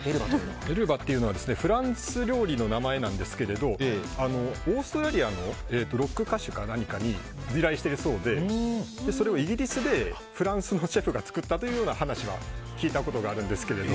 メルバっていうのはフランス料理の名前なんですけどオーストラリアのロック歌手か何かに由来しているそうでそれをイギリスでフランスのシェフが作ったという話は聞いたことがあるんですけど。